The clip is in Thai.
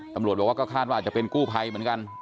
ตำรวจบอกว่าก็คาดว่าอาจจะเป็นกู้ภัยเหมือนกัน